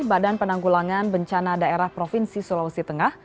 badan penanggulangan bencana daerah provinsi sulawesi tengah